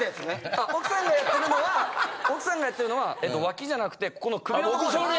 あっ奥さんがやってるのは奥さんがやってるのは脇じゃなくてこの首の所で。